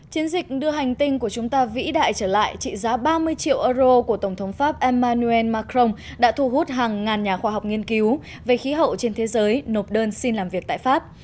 chiến dịch đưa hành tinh của chúng ta vĩ đại trở lại trị giá ba mươi triệu euro của tổng thống pháp emmanuel macron đã thu hút hàng ngàn nhà khoa học nghiên cứu về khí hậu trên thế giới nộp đơn xin làm việc tại pháp